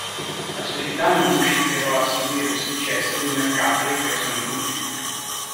La società non riuscì però a seguire il successo del mercato dei personal computer.